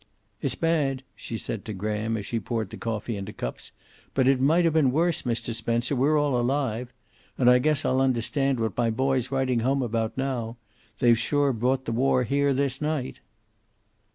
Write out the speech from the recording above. "It's bad," she said to Graham, as she poured the coffee into cups, "but it might have been worse, Mr. Spencer. We're all alive. And I guess I'll understand what my boy's writing home about now. They've sure brought the war here this night."